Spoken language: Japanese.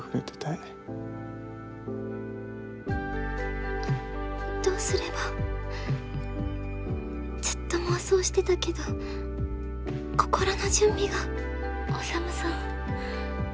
いどうすればずっと妄想してたけど心の準備が宰さん